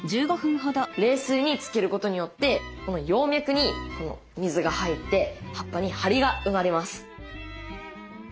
冷水につけることによってこの葉脈に水が入って葉っぱにハリが生まれます。